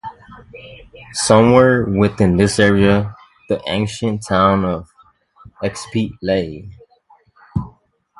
Somewhere within this area the ancient town of Xypete lay.